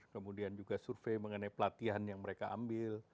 kemudian juga survei mengenai pelatihan yang mereka ambil